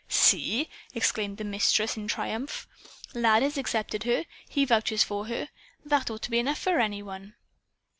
"See!" exclaimed the Mistress, in triumph. "Lad has accepted her. He vouches for her. That ought to be enough for any one!"